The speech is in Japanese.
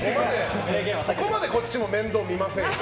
そこまでこっちも面倒見ませんよ。